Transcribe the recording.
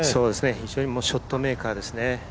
非常にショットメーカーですよね。